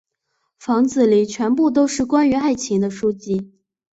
房间里全部都是关于爱情的书籍。